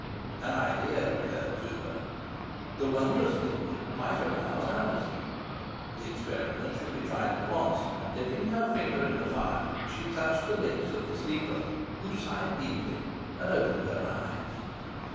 An idea occurred to her. The wondrous liquid might arouse Alizon. The experiment should be tried at once, and, dipping her finger in the phial, she touched the lips of the sleeper, who sighed deeply and opened her eyes.